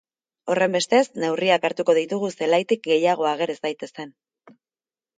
Horrenbestez, neurriak hartuko ditugu zelaitik gehiago ager ez daitezen.